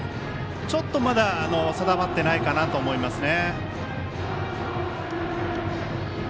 ちょっと、まだ定まってないかなと思いますね。